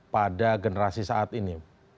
pada generasi saat ini